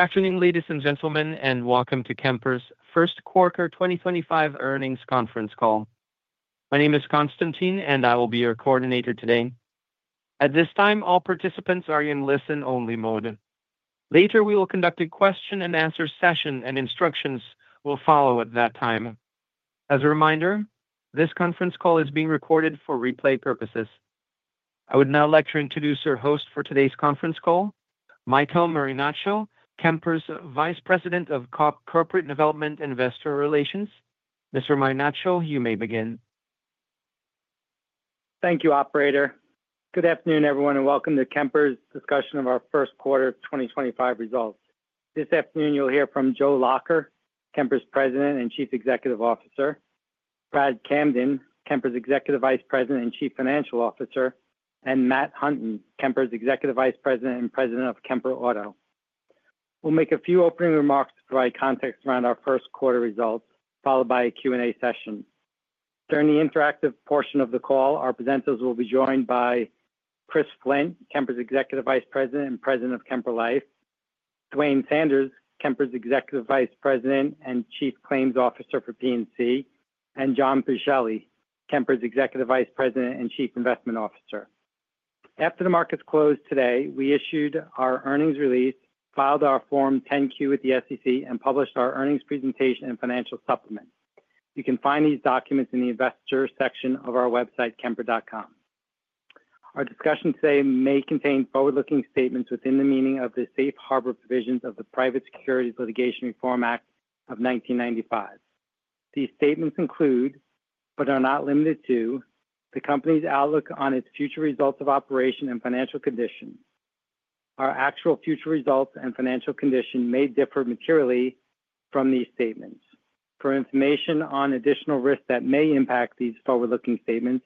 Afternoon, ladies and gentlemen, and welcome to Kemper's First Quarter 2025 Earnings Conference Call. My name is Konstantin, and I will be your coordinator today. At this time, all participants are in listen-only mode. Later, we will conduct a question-and-answer session, and instructions will follow at that time. As a reminder, this conference call is being recorded for replay purposes. I would now like to introduce our host for today's conference call, Michael Marinaccio, Kemper's Vice President of Corporate Development Investor Relations. Mr. Marinaccio, you may begin. Thank you, Operator. Good afternoon, everyone, and welcome to Kemper's discussion of our First Quarter 2025 results. This afternoon, you'll hear from Joe Lacher, Kemper's President and Chief Executive Officer; Brad Camden, Kemper's Executive Vice President and Chief Financial Officer; and Matt Hunton, Kemper's Executive Vice President and President of Kemper Auto. We'll make a few opening remarks to provide context around our First Quarter results, followed by a Q&A session. During the interactive portion of the call, our presenters will be joined by Chris Flint, Kemper's Executive Vice President and President of Kemper Life; Duane Sanders, Kemper's Executive Vice President and Chief Claims Officer for P&C; and John Puccelli, Kemper's Executive Vice President and Chief Investment Officer. After the markets closed today, we issued our earnings release, filed our Form 10Q with the SEC, and published our earnings presentation and financial supplement. You can find these documents in the Investor section of our website, Kemper.com. Our discussion today may contain forward-looking statements within the meaning of the Safe Harbor Provisions of the Private Securities Litigation Reform Act of 1995. These statements include, but are not limited to, the company's outlook on its future results of operation and financial condition. Our actual future results and financial condition may differ materially from these statements. For information on additional risks that may impact these forward-looking statements,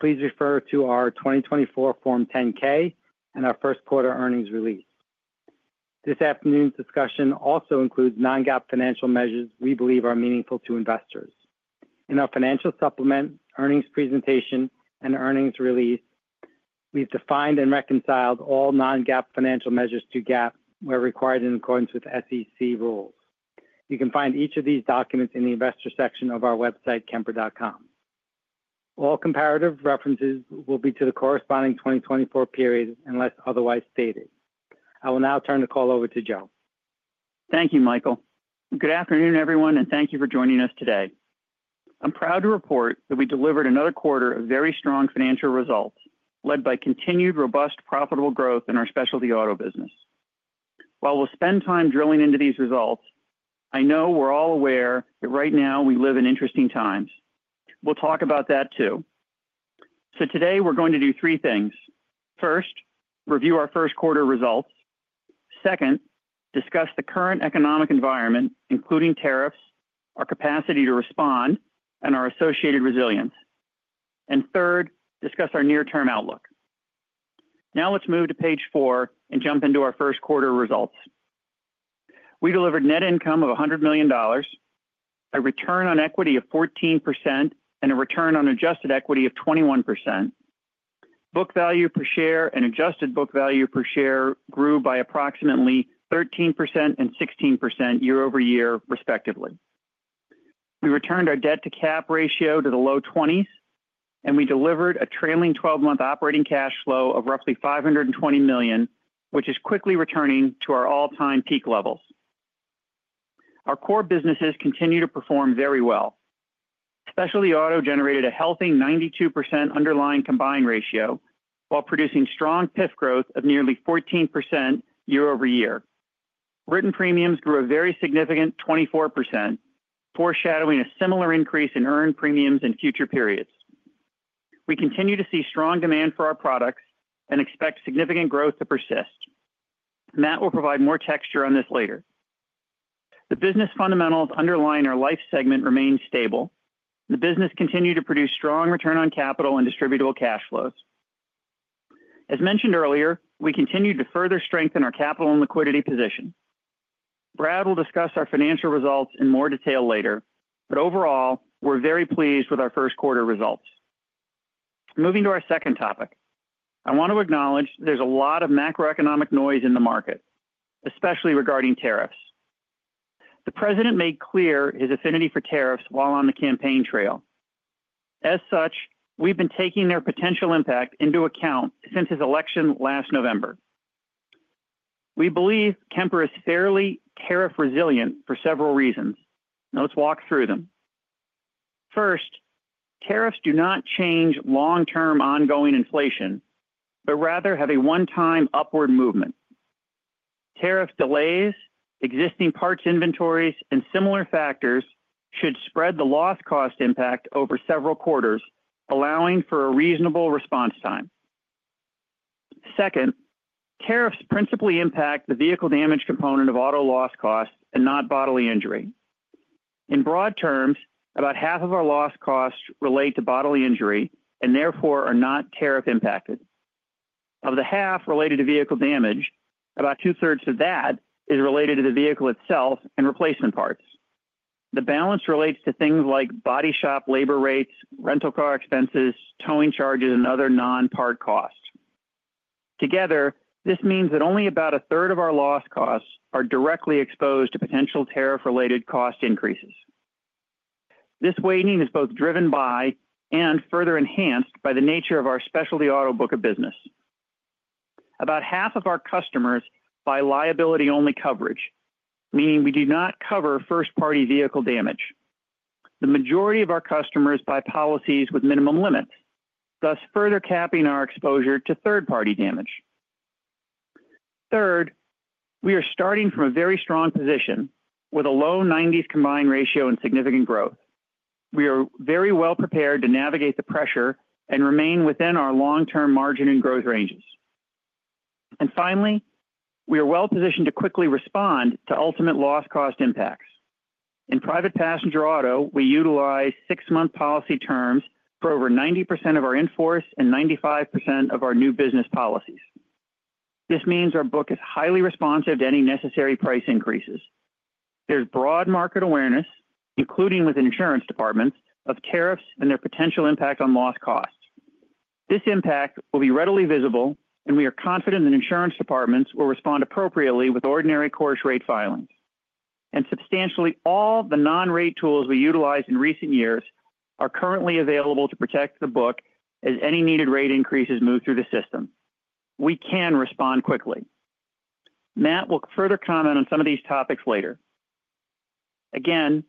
please refer to our 2024 Form 10K and our First Quarter Earnings Release. This afternoon's discussion also includes non-GAAP financial measures we believe are meaningful to investors. In our financial supplement, earnings presentation, and earnings release, we've defined and reconciled all non-GAAP financial measures to GAAP where required in accordance with SEC rules. You can find each of these documents in the Investor section of our website, Kemper.com. All comparative references will be to the corresponding 2024 period unless otherwise stated. I will now turn the call over to Joe. Thank you, Michael. Good afternoon, everyone, and thank you for joining us today. I'm proud to report that we delivered another quarter of very strong financial results led by continued robust profitable growth in our specialty auto business. While we'll spend time drilling into these results, I know we're all aware that right now we live in interesting times. We'll talk about that too. Today, we're going to do three things. First, review our first quarter results. Second, discuss the current economic environment, including tariffs, our capacity to respond, and our associated resilience. Third, discuss our near-term outlook. Now let's move to page four and jump into our first quarter results. We delivered net income of $100 million, a return on equity of 14%, and a return on adjusted equity of 21%. Book value per share and adjusted book value per share grew by approximately 13% and 16% year over year, respectively. We returned our debt-to-cap ratio to the low 20s, and we delivered a trailing 12-month operating cash flow of roughly $520 million, which is quickly returning to our all-time peak levels. Our core businesses continue to perform very well. Specialty auto generated a healthy 92% underlying combined ratio while producing strong PIF growth of nearly 14% year over year. Written premiums grew a very significant 24%, foreshadowing a similar increase in earned premiums in future periods. We continue to see strong demand for our products and expect significant growth to persist. Matt will provide more texture on this later. The business fundamentals underlying our life segment remain stable. The business continues to produce strong return on capital and distributable cash flows. As mentioned earlier, we continue to further strengthen our capital and liquidity position. Brad will discuss our financial results in more detail later, but overall, we're very pleased with our first quarter results. Moving to our second topic, I want to acknowledge there's a lot of macroeconomic noise in the market, especially regarding tariffs. The President made clear his affinity for tariffs while on the campaign trail. As such, we've been taking their potential impact into account since his election last November. We believe Kemper is fairly tariff resilient for several reasons. Let's walk through them. First, tariffs do not change long-term ongoing inflation, but rather have a one-time upward movement. Tariff delays, existing parts inventories, and similar factors should spread the loss cost impact over several quarters, allowing for a reasonable response time. Second, tariffs principally impact the vehicle damage component of auto loss costs and not bodily injury. In broad terms, about half of our loss costs relate to bodily injury and therefore are not tariff impacted. Of the half related to vehicle damage, about two-thirds of that is related to the vehicle itself and replacement parts. The balance relates to things like body shop labor rates, rental car expenses, towing charges, and other non-part costs. Together, this means that only about a third of our loss costs are directly exposed to potential tariff-related cost increases. This weighting is both driven by and further enhanced by the nature of our specialty auto book of business. About half of our customers buy liability-only coverage, meaning we do not cover first-party vehicle damage. The majority of our customers buy policies with minimum limits, thus further capping our exposure to third-party damage. Third, we are starting from a very strong position with a low 90s combined ratio and significant growth. We are very well prepared to navigate the pressure and remain within our long-term margin and growth ranges. Finally, we are well positioned to quickly respond to ultimate loss cost impacts. In private passenger auto, we utilize six-month policy terms for over 90% of our inforce and 95% of our new business policies. This means our book is highly responsive to any necessary price increases. There is broad market awareness, including with insurance departments, of tariffs and their potential impact on loss costs. This impact will be readily visible, and we are confident that insurance departments will respond appropriately with ordinary course rate filings. Substantially all the non-rate tools we utilized in recent years are currently available to protect the book as any needed rate increases move through the system. We can respond quickly. Matt will further comment on some of these topics later. Again,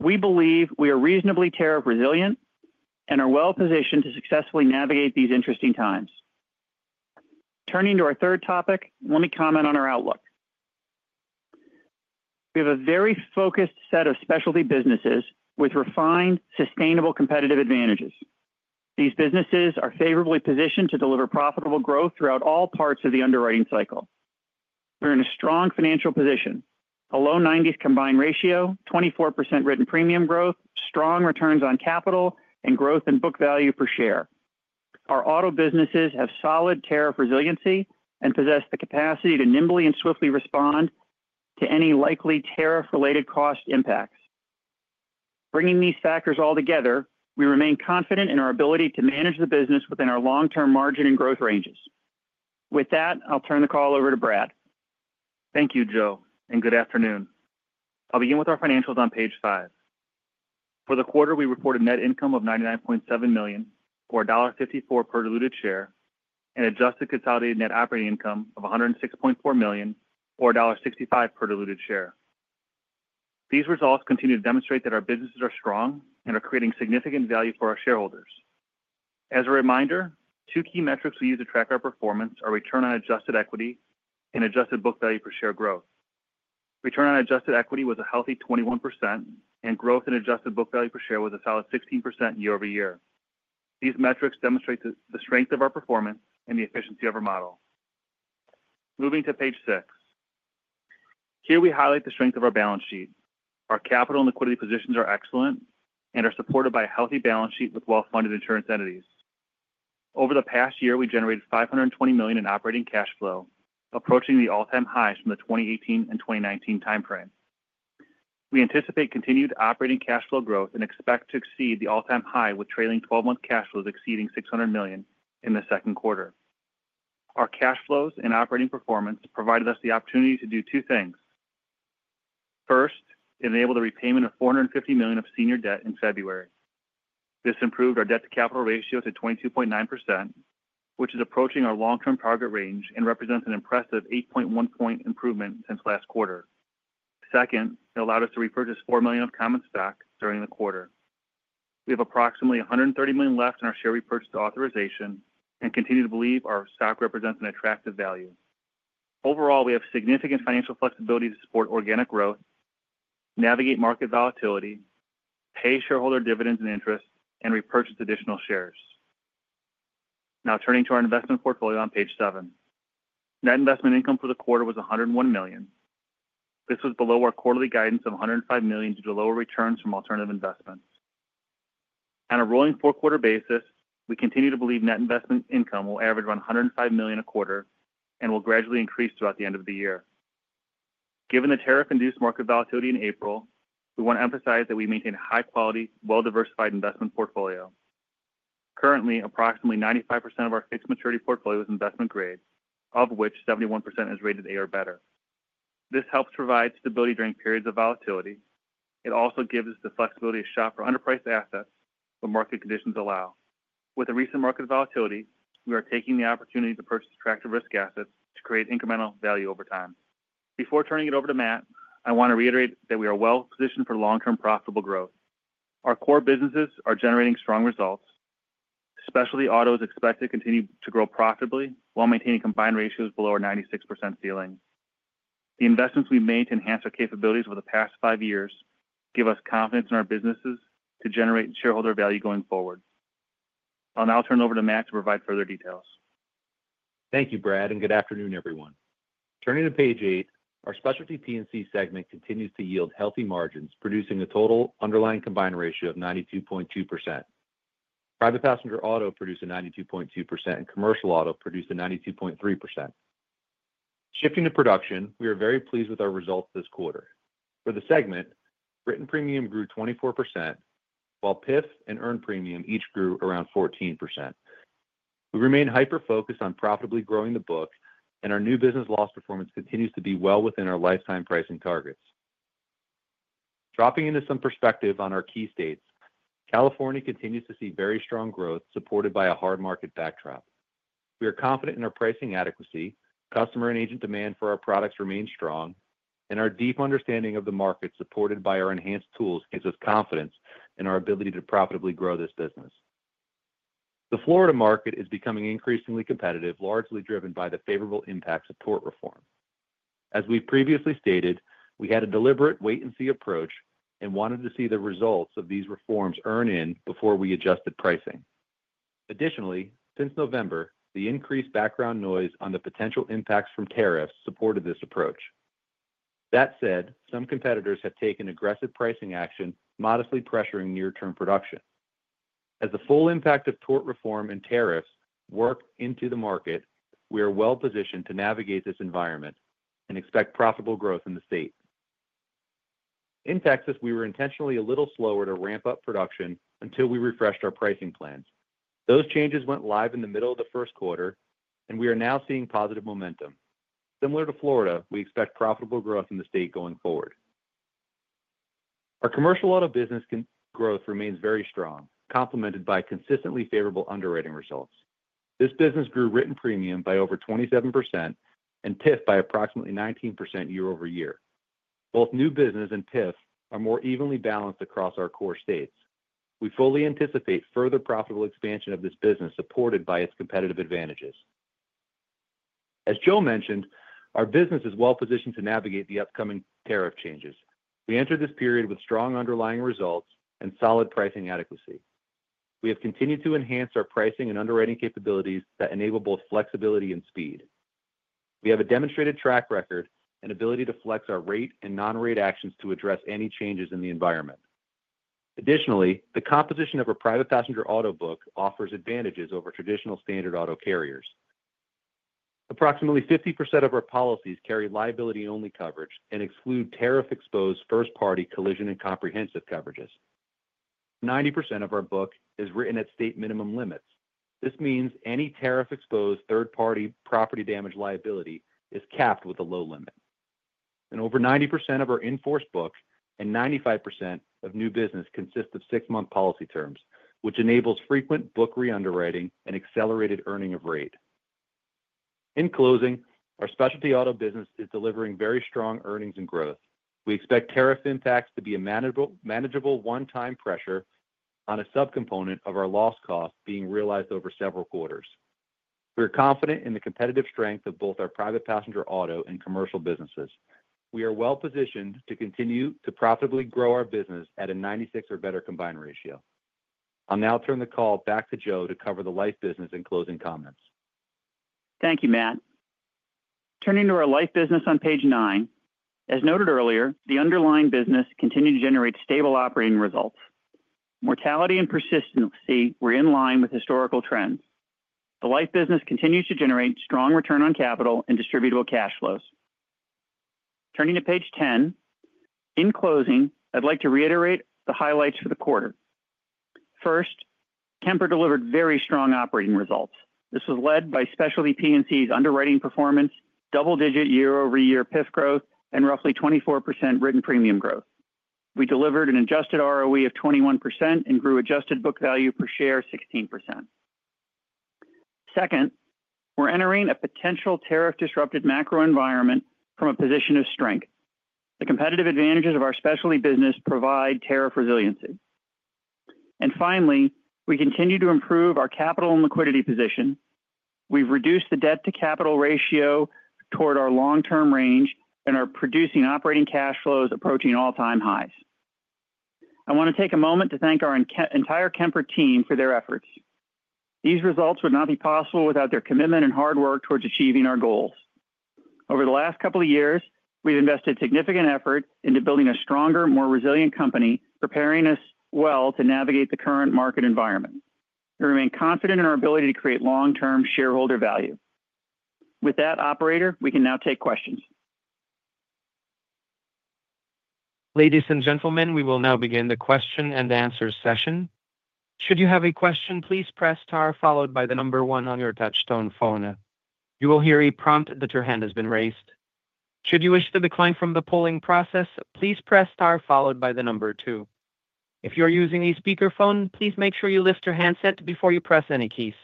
we believe we are reasonably tariff resilient and are well positioned to successfully navigate these interesting times. Turning to our third topic, let me comment on our outlook. We have a very focused set of specialty businesses with refined, sustainable competitive advantages. These businesses are favorably positioned to deliver profitable growth throughout all parts of the underwriting cycle. They're in a strong financial position: a low 90s combined ratio, 24% written premium growth, strong returns on capital, and growth in book value per share. Our auto businesses have solid tariff resiliency and possess the capacity to nimbly and swiftly respond to any likely tariff-related cost impacts. Bringing these factors all together, we remain confident in our ability to manage the business within our long-term margin and growth ranges. With that, I'll turn the call over to Brad. Thank you, Joe, and good afternoon. I'll begin with our financials on page five. For the quarter, we reported net income of $99.7 million or $1.54 per diluted share and adjusted consolidated net operating income of $106.4 million or $1.65 per diluted share. These results continue to demonstrate that our businesses are strong and are creating significant value for our shareholders. As a reminder, two key metrics we use to track our performance are return on adjusted equity and adjusted book value per share growth. Return on adjusted equity was a healthy 21%, and growth in adjusted book value per share was a solid 16% year over year. These metrics demonstrate the strength of our performance and the efficiency of our model. Moving to page six, here we highlight the strength of our balance sheet. Our capital and liquidity positions are excellent and are supported by a healthy balance sheet with well-funded insurance entities. Over the past year, we generated $520 million in operating cash flow, approaching the all-time highs from the 2018 and 2019 timeframe. We anticipate continued operating cash flow growth and expect to exceed the all-time high with trailing 12-month cash flows exceeding $600 million in the second quarter. Our cash flows and operating performance provided us the opportunity to do two things. First, it enabled the repayment of $450 million of senior debt in February. This improved our debt-to-capital ratio to 22.9%, which is approaching our long-term target range and represents an impressive 8.1-point improvement since last quarter. Second, it allowed us to repurchase $4 million of common stock during the quarter. We have approximately $130 million left in our share repurchase authorization and continue to believe our stock represents an attractive value. Overall, we have significant financial flexibility to support organic growth, navigate market volatility, pay shareholder dividends and interest, and repurchase additional shares. Now turning to our investment portfolio on page seven, net investment income for the quarter was $101 million. This was below our quarterly guidance of $105 million due to lower returns from alternative investments. On a rolling four-quarter basis, we continue to believe net investment income will average around $105 million a quarter and will gradually increase throughout the end of the year. Given the tariff-induced market volatility in April, we want to emphasize that we maintain a high-quality, well-diversified investment portfolio. Currently, approximately 95% of our fixed maturity portfolio is investment grade, of which 71% is rated A or better. This helps provide stability during periods of volatility. It also gives us the flexibility to shop for underpriced assets when market conditions allow. With the recent market volatility, we are taking the opportunity to purchase attractive risk assets to create incremental value over time. Before turning it over to Matt, I want to reiterate that we are well positioned for long-term profitable growth. Our core businesses are generating strong results. Specialty auto is expected to continue to grow profitably while maintaining combined ratios below our 96% ceiling. The investments we made to enhance our capabilities over the past five years give us confidence in our businesses to generate shareholder value going forward. I'll now turn it over to Matt to provide further details. Thank you, Brad, and good afternoon, everyone. Turning to page eight, our specialty P&C segment continues to yield healthy margins, producing a total underlying combined ratio of 92.2%. Private passenger auto produced a 92.2%, and commercial auto produced a 92.3%. Shifting to production, we are very pleased with our results this quarter. For the segment, written premium grew 24%, while PIF and earned premium each grew around 14%. We remain hyper-focused on profitably growing the book, and our new business loss performance continues to be well within our lifetime pricing targets. Dropping into some perspective on our key states, California continues to see very strong growth supported by a hard market backdrop. We are confident in our pricing adequacy, customer and agent demand for our products remains strong, and our deep understanding of the market supported by our enhanced tools gives us confidence in our ability to profitably grow this business. The Florida market is becoming increasingly competitive, largely driven by the favorable impacts of tort reform. As we previously stated, we had a deliberate wait-and-see approach and wanted to see the results of these reforms earn in before we adjusted pricing. Additionally, since November, the increased background noise on the potential impacts from tariffs supported this approach. That said, some competitors have taken aggressive pricing action, modestly pressuring near-term production. As the full impact of tort reform and tariffs work into the market, we are well positioned to navigate this environment and expect profitable growth in the state. In Texas, we were intentionally a little slower to ramp up production until we refreshed our pricing plans. Those changes went live in the middle of the first quarter, and we are now seeing positive momentum. Similar to Florida, we expect profitable growth in the state going forward. Our commercial auto business growth remains very strong, complemented by consistently favorable underwriting results. This business grew written premium by over 27% and PIF by approximately 19% year over year. Both new business and PIF are more evenly balanced across our core states. We fully anticipate further profitable expansion of this business supported by its competitive advantages. As Joe mentioned, our business is well positioned to navigate the upcoming tariff changes. We entered this period with strong underlying results and solid pricing adequacy. We have continued to enhance our pricing and underwriting capabilities that enable both flexibility and speed. We have a demonstrated track record and ability to flex our rate and non-rate actions to address any changes in the environment. Additionally, the composition of our private passenger auto book offers advantages over traditional standard auto carriers. Approximately 50% of our policies carry liability-only coverage and exclude tariff-exposed first-party collision and comprehensive coverages. 90% of our book is written at state minimum limits. This means any tariff-exposed third-party property damage liability is capped with a low limit. Over 90% of our enforced book and 95% of new business consist of six-month policy terms, which enables frequent book re-underwriting and accelerated earning of rate. In closing, our specialty auto business is delivering very strong earnings and growth. We expect tariff impacts to be a manageable one-time pressure on a subcomponent of our loss costs being realized over several quarters. We are confident in the competitive strength of both our private passenger auto and commercial businesses. We are well positioned to continue to profitably grow our business at a 96 or better combined ratio. I'll now turn the call back to Joe to cover the life business and closing comments. Thank you, Matt. Turning to our life business on page nine, as noted earlier, the underlying business continued to generate stable operating results. Mortality and persistency were in line with historical trends. The life business continues to generate strong return on capital and distributable cash flows. Turning to page ten, in closing, I'd like to reiterate the highlights for the quarter. First, Kemper delivered very strong operating results. This was led by specialty P&C's underwriting performance, double-digit year-over-year PIF growth, and roughly 24% written premium growth. We delivered an adjusted ROE of 21% and grew adjusted book value per share 16%. Second, we're entering a potential tariff-disrupted macro environment from a position of strength. The competitive advantages of our specialty business provide tariff resiliency. Finally, we continue to improve our capital and liquidity position. We've reduced the debt-to-capital ratio toward our long-term range and are producing operating cash flows approaching all-time highs. I want to take a moment to thank our entire Kemper team for their efforts. These results would not be possible without their commitment and hard work towards achieving our goals. Over the last couple of years, we've invested significant effort into building a stronger, more resilient company, preparing us well to navigate the current market environment. We remain confident in our ability to create long-term shareholder value. With that, operator, we can now take questions. Ladies and gentlemen, we will now begin the question and answer session. Should you have a question, please press star, followed by the number one on your touchstone phone. You will hear a prompt that your hand has been raised. Should you wish to decline from the polling process, please press star, followed by the number two. If you're using a speakerphone, please make sure you lift your handset before you press any keys.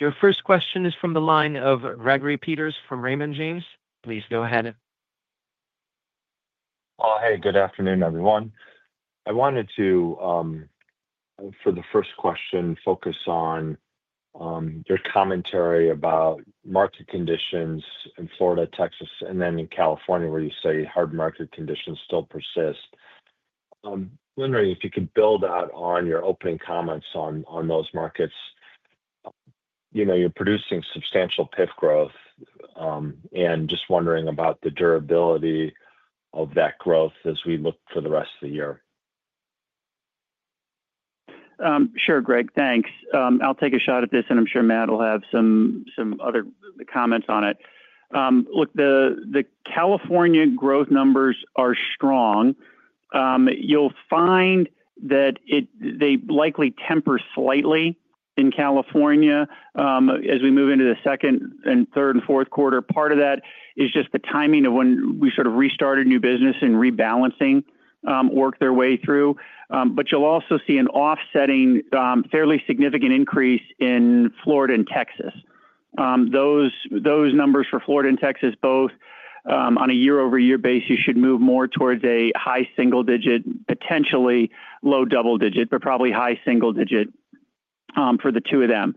Your first question is from the line of Gregory Peters from Raymond James. Please go ahead. Hey, good afternoon, everyone. I wanted to, for the first question, focus on your commentary about market conditions in Florida, Texas, and then in California, where you say hard market conditions still persist. I'm wondering if you could build out on your opening comments on those markets. You're producing substantial PIF growth, and just wondering about the durability of that growth as we look for the rest of the year. Sure, Greg, thanks. I'll take a shot at this, and I'm sure Matt will have some other comments on it. Look, the California growth numbers are strong. You'll find that they likely temper slightly in California as we move into the second and third and fourth quarter. Part of that is just the timing of when we sort of restarted new business and rebalancing worked their way through. You'll also see an offsetting fairly significant increase in Florida and Texas. Those numbers for Florida and Texas, both on a year-over-year base, you should move more towards a high single-digit, potentially low double-digit, but probably high single-digit for the two of them.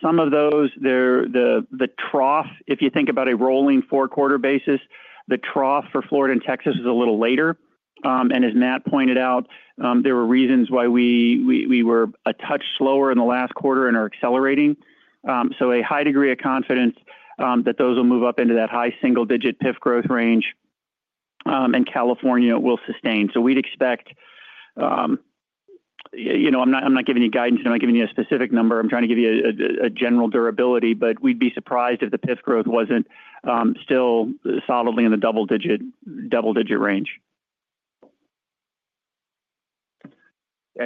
Some of those, the trough, if you think about a rolling four-quarter basis, the trough for Florida and Texas is a little later. As Matt pointed out, there were reasons why we were a touch slower in the last quarter and are accelerating. A high degree of confidence that those will move up into that high single-digit PIF growth range in California will sustain. We'd expect, I'm not giving you guidance, I'm not giving you a specific number, I'm trying to give you a general durability, but we'd be surprised if the PIF growth wasn't still solidly in the double-digit range.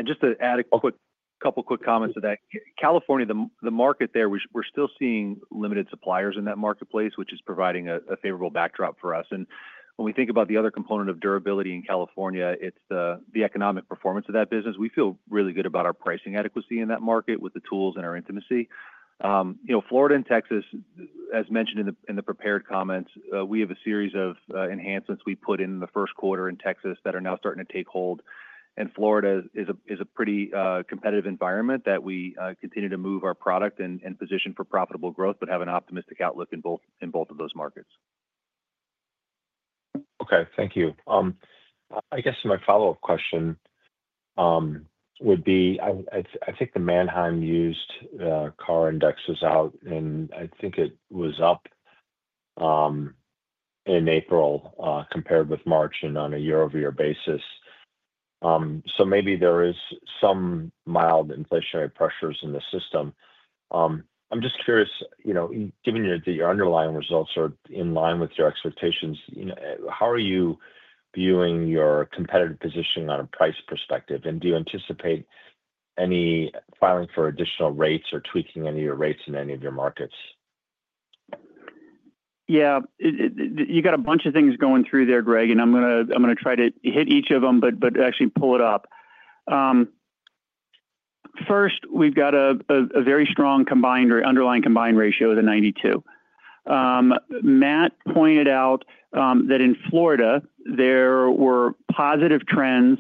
Just to add a couple of quick comments to that, California, the market there, we're still seeing limited suppliers in that marketplace, which is providing a favorable backdrop for us. When we think about the other component of durability in California, it's the economic performance of that business. We feel really good about our pricing adequacy in that market with the tools and our intimacy. Florida and Texas, as mentioned in the prepared comments, we have a series of enhancements we put in the first quarter in Texas that are now starting to take hold. Florida is a pretty competitive environment that we continue to move our product and position for profitable growth, but have an optimistic outlook in both of those markets. Okay, thank you. I guess my follow-up question would be, I think the Mannheim used car index is out, and I think it was up in April compared with March and on a year-over-year basis. Maybe there is some mild inflationary pressures in the system. I'm just curious, given that your underlying results are in line with your expectations, how are you viewing your competitive positioning on a price perspective? Do you anticipate any filing for additional rates or tweaking any of your rates in any of your markets? Yeah, you got a bunch of things going through there, Greg, and I'm going to try to hit each of them, but actually pull it up. First, we've got a very strong combined or underlying combined ratio of the 92. Matt pointed out that in Florida, there were positive trends,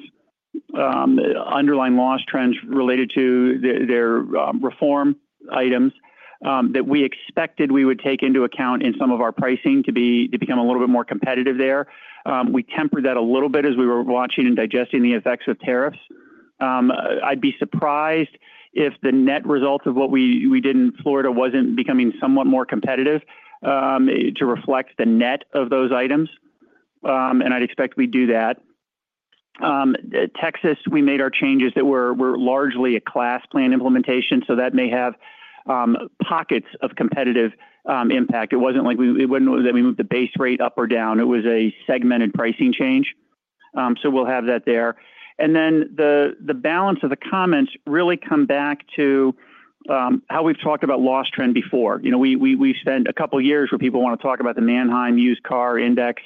underlying loss trends related to their reform items that we expected we would take into account in some of our pricing to become a little bit more competitive there. We tempered that a little bit as we were watching and digesting the effects of tariffs. I'd be surprised if the net result of what we did in Florida wasn't becoming somewhat more competitive to reflect the net of those items. I'd expect we'd do that. Texas, we made our changes that were largely a class plan implementation, so that may have pockets of competitive impact. It wasn't like we moved the base rate up or down. It was a segmented pricing change. We will have that there. The balance of the comments really come back to how we have talked about loss trend before. We spent a couple of years where people want to talk about the Mannheim used car index,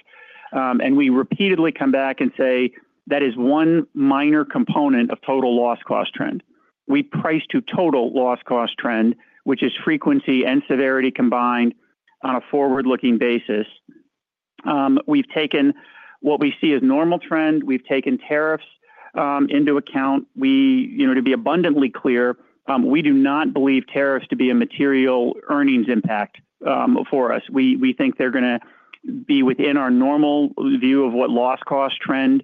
and we repeatedly come back and say that is one minor component of total loss cost trend. We price to total loss cost trend, which is frequency and severity combined on a forward-looking basis. We have taken what we see as normal trend. We have taken tariffs into account. To be abundantly clear, we do not believe tariffs to be a material earnings impact for us. We think they're going to be within our normal view of what loss cost trend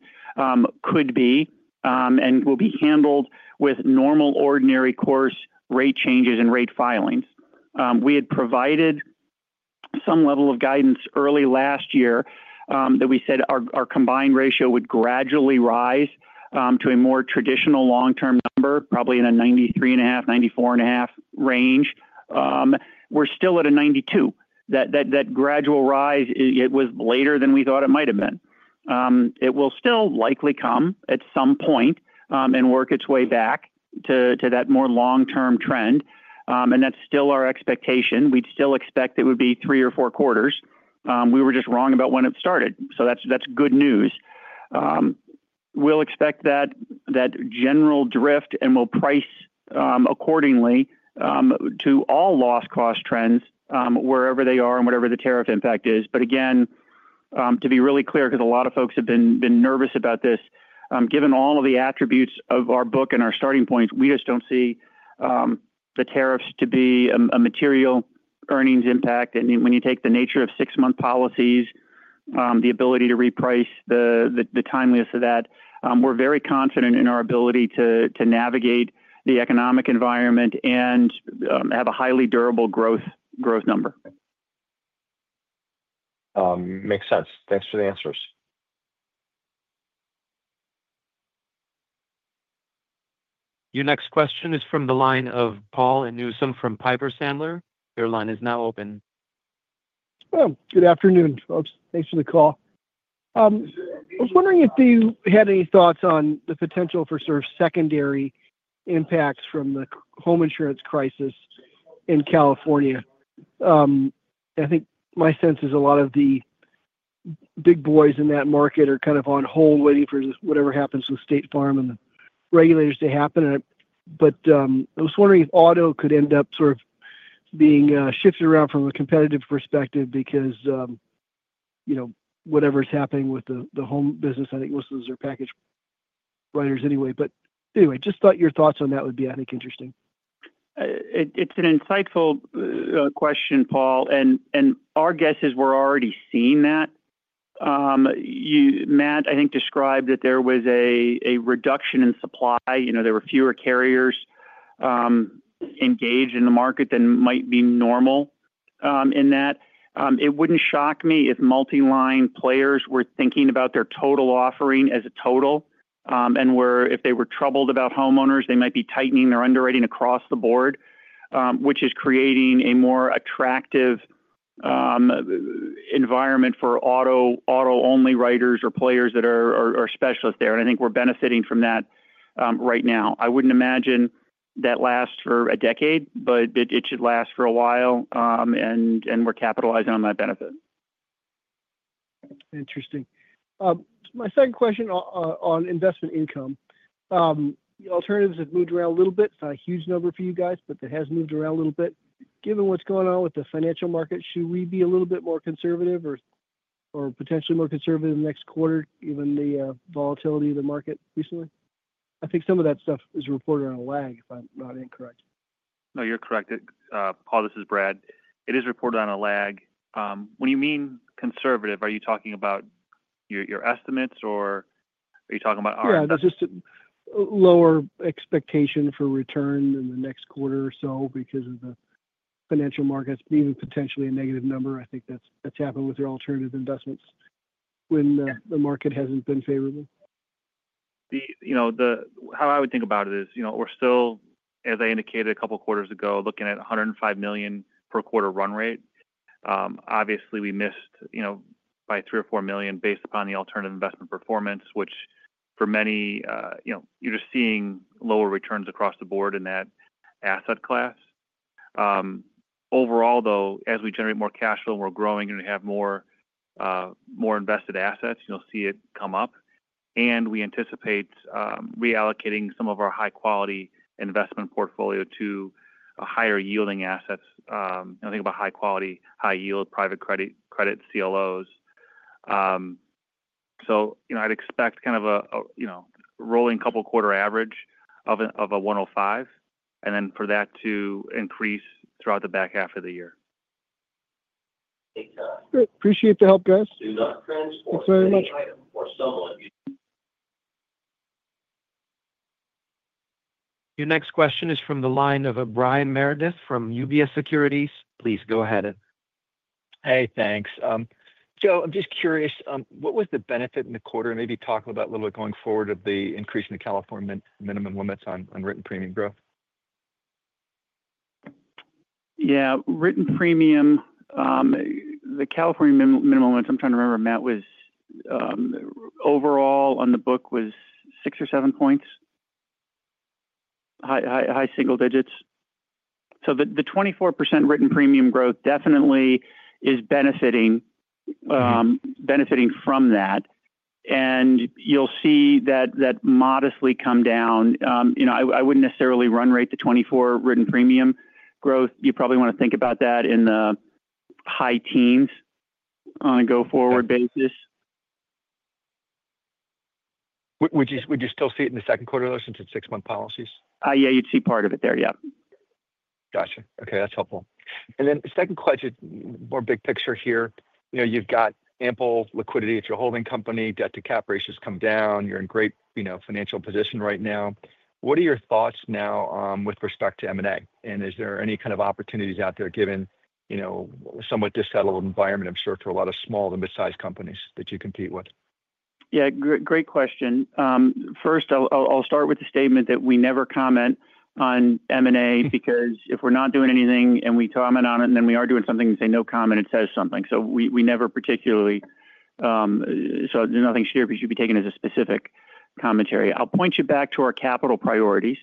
could be and will be handled with normal ordinary course rate changes and rate filings. We had provided some level of guidance early last year that we said our combined ratio would gradually rise to a more traditional long-term number, probably in a 93.5-94.5% range. We're still at a 92%. That gradual rise, it was later than we thought it might have been. It will still likely come at some point and work its way back to that more long-term trend. That's still our expectation. We'd still expect it would be three or four quarters. We were just wrong about when it started. That's good news. We'll expect that general drift and we'll price accordingly to all loss cost trends wherever they are and whatever the tariff impact is. To be really clear, because a lot of folks have been nervous about this, given all of the attributes of our book and our starting points, we just do not see the tariffs to be a material earnings impact. When you take the nature of six-month policies, the ability to reprice, the timeliness of that, we are very confident in our ability to navigate the economic environment and have a highly durable growth number. Makes sense. Thanks for the answers. Your next question is from the line of Paul Newsom from Piper Sandler. Your line is now open. Good afternoon, folks. Thanks for the call. I was wondering if you had any thoughts on the potential for sort of secondary impacts from the home insurance crisis in California. I think my sense is a lot of the big boys in that market are kind of on hold waiting for whatever happens with State Farm and the regulators to happen. I was wondering if auto could end up sort of being shifted around from a competitive perspective because whatever is happening with the home business, I think most of those are package riders anyway. Anyway, just thought your thoughts on that would be, I think, interesting. It's an insightful question, Paul. Our guess is we're already seeing that. Matt, I think, described that there was a reduction in supply. There were fewer carriers engaged in the market than might be normal in that. It would not shock me if multi-line players were thinking about their total offering as a total. If they were troubled about homeowners, they might be tightening their underwriting across the board, which is creating a more attractive environment for auto-only riders or players that are specialists there. I think we're benefiting from that right now. I would not imagine that lasts for a decade, but it should last for a while, and we're capitalizing on that benefit. Interesting. My second question on investment income. Alternatives have moved around a little bit. It's not a huge number for you guys, but it has moved around a little bit. Given what's going on with the financial market, should we be a little bit more conservative or potentially more conservative next quarter, given the volatility of the market recently? I think some of that stuff is reported on a lag, if I'm not incorrect. No, you're correct. Paul, this is Brad. It is reported on a lag. When you mean conservative, are you talking about your estimates or are you talking about our estimates? Yeah, that's just a lower expectation for return in the next quarter or so because of the financial markets, but even potentially a negative number. I think that's happened with your alternative investments when the market hasn't been favorable. How I would think about it is we're still, as I indicated a couple of quarters ago, looking at $105 million per quarter run rate. Obviously, we missed by $3 million-$4 million based upon the alternative investment performance, which for many, you're just seeing lower returns across the board in that asset class. Overall, though, as we generate more cash flow, we're growing and we have more invested assets, you'll see it come up. We anticipate reallocating some of our high-quality investment portfolio to higher-yielding assets. I think about high-quality, high-yield private credit CLOs. I would expect kind of a rolling couple-quarter average of $105 million, and then for that to increase throughout the back half of the year. Appreciate the help, guys. Thanks very much. Your next question is from the line of Brian Meredith from UBS Securities. Please go ahead. Hey, thanks. Joe, I'm just curious, what was the benefit in the quarter? Maybe talk a little bit going forward of the increase in the California minimum limits on written premium growth. Yeah, written premium, the California minimum limits, I'm trying to remember, Matt, was overall on the book was six or seven points, high single digits. So the 24% written premium growth definitely is benefiting from that. You'll see that modestly come down. I wouldn't necessarily run rate to 24% written premium growth. You probably want to think about that in the high teens on a go-forward basis. Would you still see it in the second quarter though since it's six-month policies? Yeah, you'd see part of it there, yeah. Gotcha. Okay, that's helpful. Then second question, more big picture here. You've got ample liquidity at your holding company, debt-to-cap ratios come down, you're in great financial position right now. What are your thoughts now with respect to M&A? Is there any kind of opportunities out there given somewhat disheveled environment, I'm sure, to a lot of small and mid-sized companies that you compete with? Yeah, great question. First, I'll start with the statement that we never comment on M&A because if we're not doing anything and we comment on it and then we are doing something and say no comment, it says something. We never particularly, so there's nothing here we should be taking as a specific commentary. I'll point you back to our capital priorities.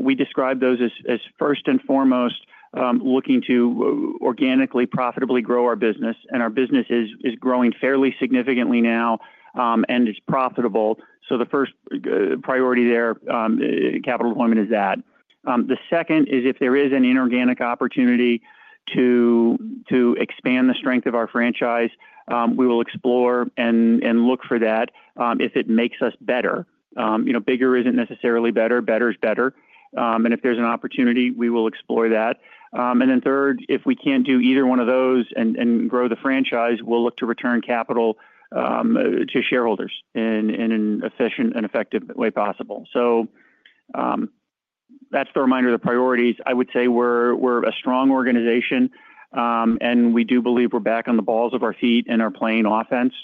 We describe those as first and foremost looking to organically profitably grow our business. Our business is growing fairly significantly now and is profitable. The first priority there, capital deployment, is that. The second is if there is an inorganic opportunity to expand the strength of our franchise, we will explore and look for that if it makes us better. Bigger isn't necessarily better. Better is better. If there's an opportunity, we will explore that. Third, if we cannot do either one of those and grow the franchise, we will look to return capital to shareholders in an efficient and effective way possible. That is the reminder of the priorities. I would say we are a strong organization, and we do believe we are back on the balls of our feet and are playing offense,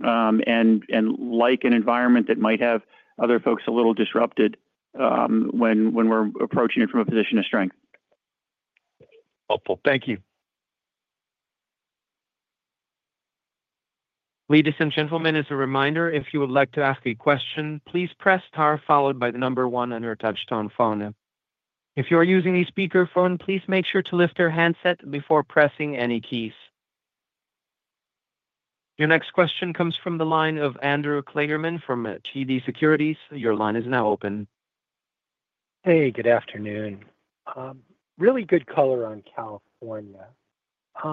and like an environment that might have other folks a little disrupted when we are approaching it from a position of strength. Helpful. Thank you. Ladies and gentlemen, as a reminder, if you would like to ask a question, please press star followed by the number one on your touch-tone phone. If you are using a speakerphone, please make sure to lift your handset before pressing any keys. Your next question comes from the line of Andrew Klingerman from TD Securities. Your line is now open. Hey, good afternoon. Really good color on California. I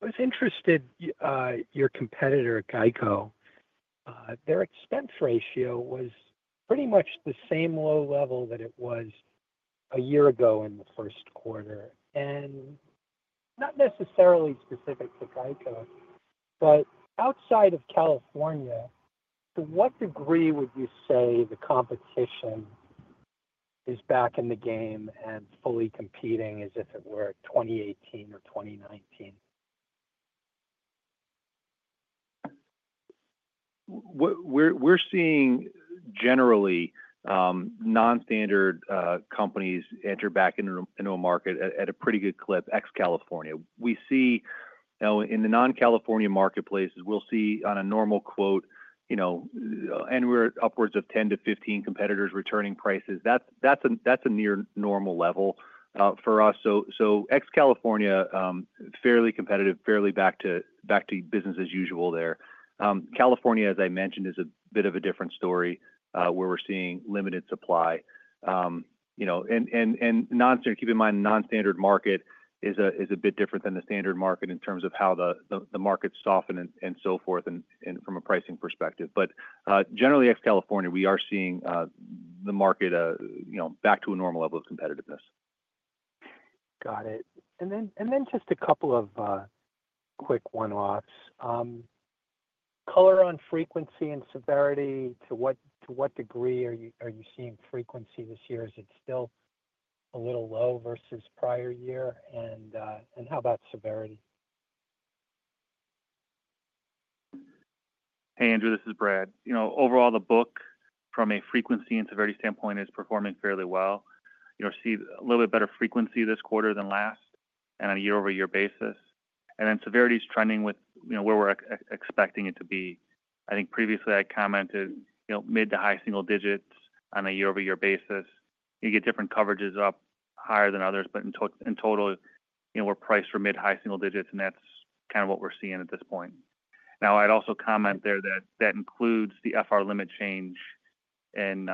was interested, your competitor, Geico, their expense ratio was pretty much the same low level that it was a year ago in the first quarter. Not necessarily specific to Geico, but outside of California, to what degree would you say the competition is back in the game and fully competing as if it were 2018 or 2019? We're seeing generally non-standard companies enter back into a market at a pretty good clip ex-California. We see in the non-California marketplaces, we'll see on a normal quote, anywhere upwards of 10-15 competitors returning prices. That's a near normal level for us. Ex-California, fairly competitive, fairly back to business as usual there. California, as I mentioned, is a bit of a different story where we're seeing limited supply. And keep in mind, non-standard market is a bit different than the standard market in terms of how the market softened and so forth from a pricing perspective. Generally, ex-California, we are seeing the market back to a normal level of competitiveness. Got it. And then just a couple of quick one-offs. Color on frequency and severity, to what degree are you seeing frequency this year? Is it still a little low versus prior year? And how about severity? Hey, Andrew, this is Brad. Overall, the book from a frequency and severity standpoint is performing fairly well. See a little bit better frequency this quarter than last on a year-over-year basis. Severity is trending with where we're expecting it to be. I think previously I commented mid to high single digits on a year-over-year basis. You get different coverages up higher than others, but in total, we're priced for mid-high single digits, and that's kind of what we're seeing at this point. I'd also comment there that that includes the FR limit change in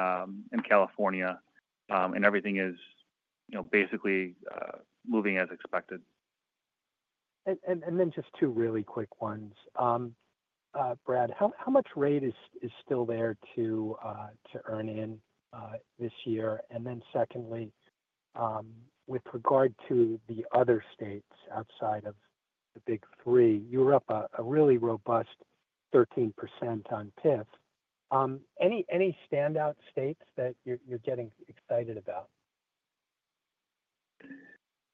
California, and everything is basically moving as expected. Just two really quick ones. Brad, how much rate is still there to earn in this year? Secondly, with regard to the other states outside of the big three, you were up a really robust 13% on PIF. Any standout states that you're getting excited about?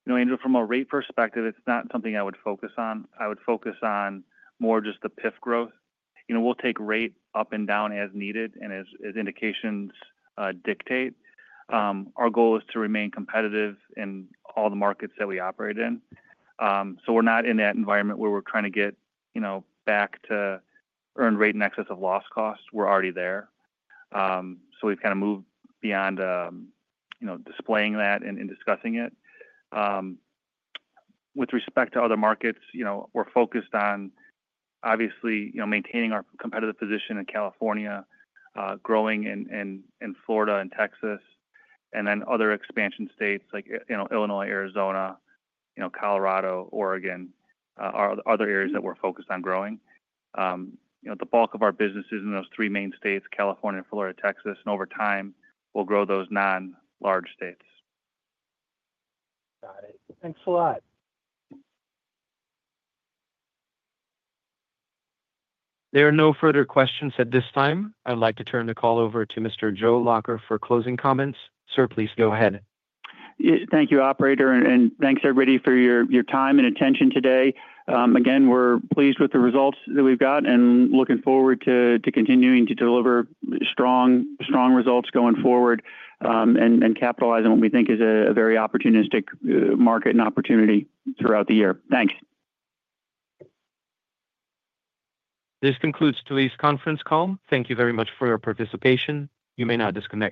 No, Andrew, from a rate perspective, it's not something I would focus on. I would focus on more just the PIF growth. We'll take rate up and down as needed and as indications dictate. Our goal is to remain competitive in all the markets that we operate in. We're not in that environment where we're trying to get back to earn rate in excess of loss costs. We're already there. We've kind of moved beyond displaying that and discussing it. With respect to other markets, we're focused on obviously maintaining our competitive position in California, growing in Florida and Texas, and then other expansion states like Illinois, Arizona, Colorado, Oregon, other areas that we're focused on growing. The bulk of our business is in those three main states, California and Florida, Texas. Over time, we'll grow those non-large states. Got it. Thanks a lot. There are no further questions at this time. I'd like to turn the call over to Mr. Joe Lacher for closing comments. Sir, please go ahead. Thank you, operator. Thank you, everybody, for your time and attention today. Again, we are pleased with the results that we have got and looking forward to continuing to deliver strong results going forward and capitalizing on what we think is a very opportunistic market and opportunity throughout the year. Thank you. This concludes today's conference call. Thank you very much for your participation. You may now disconnect.